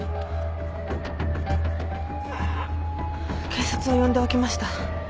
・警察を呼んでおきました。